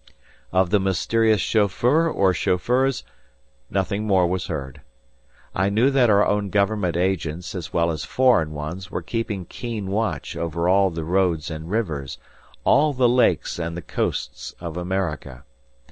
Of the mysterious chauffeur or chauffeurs, nothing more was heard. I knew that our own government agents, as well as foreign ones, were keeping keen watch over all the roads and rivers, all the lakes and the coasts of America.